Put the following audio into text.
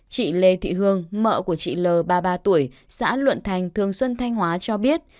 chị lê thị hương vợ của chị l ba mươi ba tuổi xã luận thành thường xuân thanh hóa cho biết